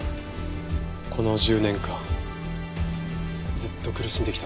この１０年間ずっと苦しんできたんですね。